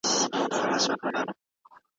ښه ټولنه جوړېږي.